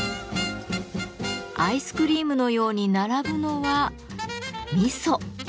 アイスクリームのように並ぶのは味噌。